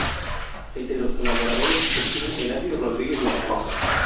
Entre los colaboradores estuvo Eladio Rodríguez González.